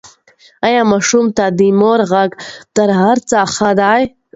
ایا ماشوم ته د مور غېږ تر هر څه ښه ده؟